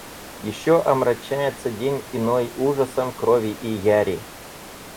Еще омрачается день иной ужасом крови и яри.